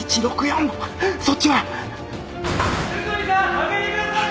開けてください。